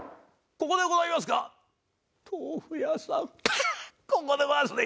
ここでございますね。